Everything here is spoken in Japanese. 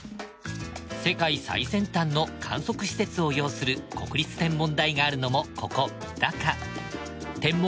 世界最先端の観測施設を擁する国立天文台があるのもここ三鷹。